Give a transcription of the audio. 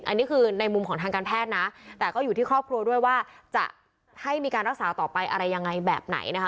อันนี้คือในมุมของทางการแพทย์นะแต่ก็อยู่ที่ครอบครัวด้วยว่าจะให้มีการรักษาต่อไปอะไรยังไงแบบไหนนะคะ